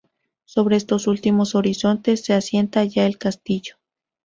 Sobre estos últimos horizontes se asienta ya el castillo.